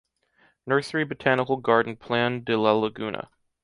Nursery Botanical Garden Plan de la Laguna.